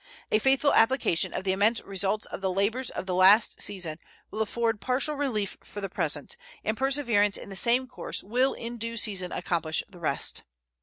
A faithful application of the immense results of the labors of the last season will afford partial relief for the present, and perseverance in the same course will in due season accomplish the rest.